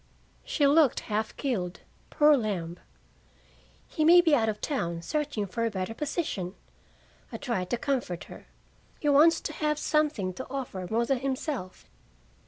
She looked half killed, poor lamb. "He may be out of town, searching for a better position," I tried to comfort her. "He wants to have something to offer more than himself."